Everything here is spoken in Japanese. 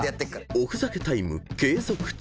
［おふざけタイム継続中］